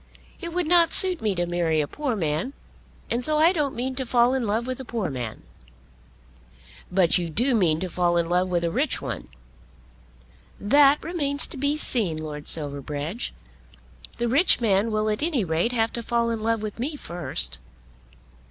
It would not suit me to marry a poor man, and so I don't mean to fall in love with a poor man." "But you do mean to fall in love with a rich one?" "That remains to be seen, Lord Silverbridge. The rich man will at any rate have to fall in love with me first.